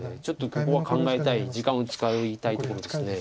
ちょっとここは考えたい時間を使いたいところです。